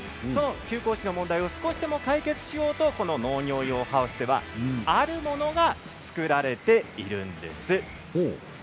休耕地の問題を少しでも解決しようと農業用ハウスではあるものが作られているんです。